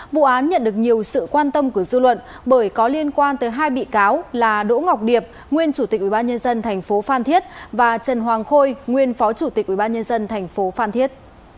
vụ án nhận được nhiều sự quan tâm của dư luận bởi có liên quan tới hai bị cáo là đỗ ngọc điệp nguyên chủ tịch ubnd tp phan thiết và trần hoàng khôi nguyên phó chủ tịch ubnd tp phan thiết